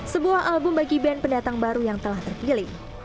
sebuah album bagi band pendatang baru yang telah terpilih